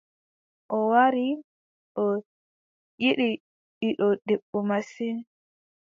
O wari a yiɗi ɓiɗɗo debbo masin.